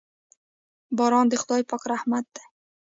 باران د خداے پاک رحمت دے